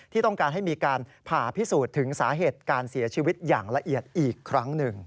ที่ต้องการให้มีการผ่าพิสูจน์ถึงสาเหตุการเสียชีวิตอย่างละเอียดอีกครั้งหนึ่ง